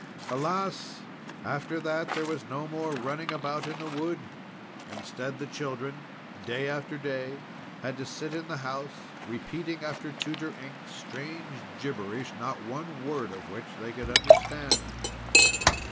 Alas! after that there was no more running about in the wood! Instead the children, day after day, had to sit in the house, repeating after Tutor Ink strange gibberish, not one word of which they could understand.